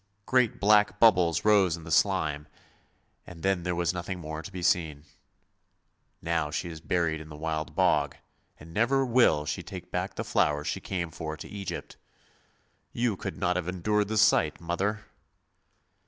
Great black bubbles rose in the slime, and then there was nothing more to be seen. Now she is buried in the Wild Bog, and never will she take back the flowers she came for to Egypt. You could not have endured the sight, mother!